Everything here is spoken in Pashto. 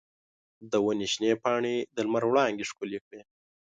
د ونې شنې پاڼې د لمر وړانګې ښکلې کړې.